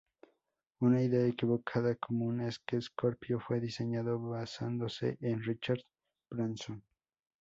Una idea equivocada común es que Scorpio fue diseñado basándose en Richard Branson.